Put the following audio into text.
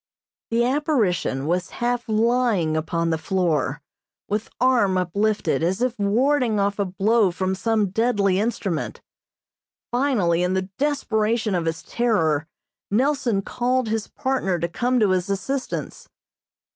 The apparition was half lying upon the floor, with arm uplifted, as if warding off a blow from some deadly instrument. Finally, in the desperation of his terror, Nelson called his partner to come to his assistance.